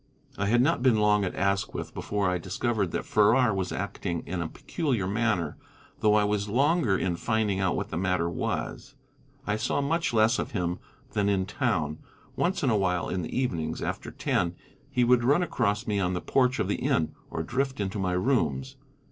I had not been long at Asquith before I discovered that Farrar was acting in a peculiar manner, though I was longer in finding out what the matter was. I saw much less of him than in town. Once in a while in the evenings, after ten, he would run across me on the porch of the inn, or drift into my rooms.